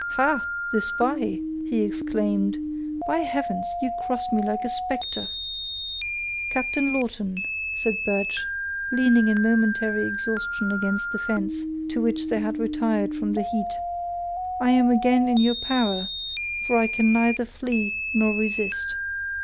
"Ha! the spy," he exclaimed; "by heavens, you cross me like a specter." "Captain Lawton," said Birch, leaning in momentary exhaustion against the fence, to which they had retired from the heat, "I am again in your power, for I can neither flee, nor resist."